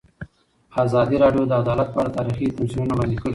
ازادي راډیو د عدالت په اړه تاریخي تمثیلونه وړاندې کړي.